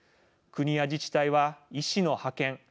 国や自治体は、医師の派遣